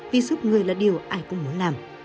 vì giúp người là điều ai cũng muốn làm